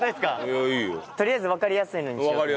とりあえずわかりやすいのにしようと思って。